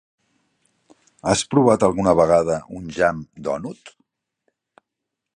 Has provat alguna vegada un Jam Donut?